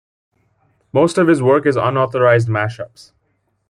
Most of his work is unauthorized mashups.